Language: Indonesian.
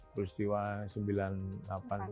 peristiwa sembilan puluh delapan sembilan puluh sembilan itu